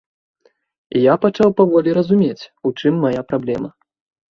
І я пачаў паволі разумець, у чым мая праблема.